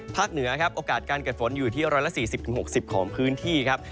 เหนือครับโอกาสการเกิดฝนอยู่ที่๑๔๐๖๐ของพื้นที่ครับ